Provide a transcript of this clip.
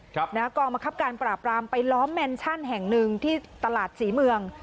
กองบังคับการปราบรามไปล้อมแมนชั่นแห่งหนึ่งที่ตลาดศรีเมือง